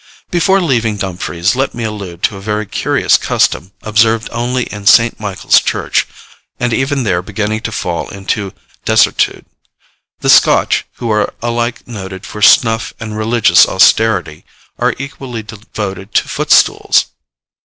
Before leaving Dumfries, let me allude to a very curious custom, observed only in St. Michael's church, and even there beginning to fall into desuetude. The Scotch, who are alike noted for snuff and religious austerity, are equally devoted to footstools.